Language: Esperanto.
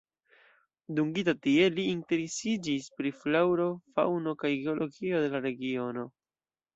Dungita tie, li interesiĝis pri flaŭro, faŭno kaj geologio de la regiono.